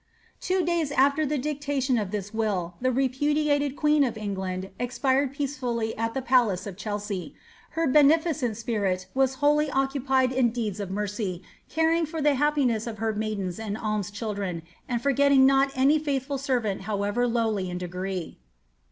Two days after the dictation of this will, the repudiated queen of England expired peacefully at the palace of Chelsea. Her beneficent ipirit was wholly occupied in deeds of mercy, caring for the happiness of her maidens and alms children, and forgetting not any faithful servant bowever lowly in degree.